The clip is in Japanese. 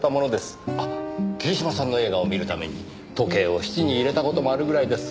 あっ桐島さんの映画を見るために時計を質に入れた事もあるぐらいです。